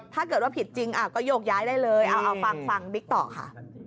ถ้าเกิดว่าผิดจริงก็โยกย้ายได้เลยเอาฟังบิ๊กต่อค่ะ